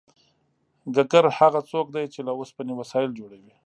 ګګر هغه څوک دی چې له اوسپنې وسایل جوړوي